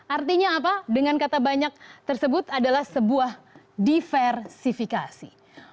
artinya apa dengan kata banyak tersebut adalah sebuah diversifikasi